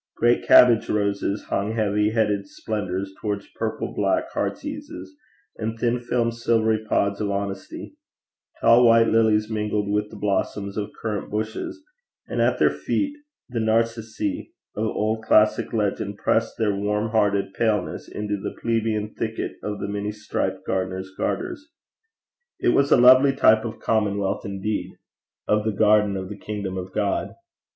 Great cabbage roses hung heavy headed splendours towards purple black heartseases, and thin filmed silvery pods of honesty; tall white lilies mingled with the blossoms of currant bushes, and at their feet the narcissi of old classic legend pressed their warm hearted paleness into the plebeian thicket of the many striped gardener's garters. It was a lovely type of a commonwealth indeed, of the garden and kingdom of God.